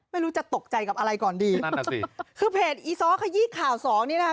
ไม่รู้จะตกใจกับอะไรก่อนดีนั่นน่ะสิคือเพจอีซ้อขยี้ข่าวสองนี่นะคะ